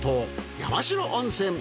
山代温泉。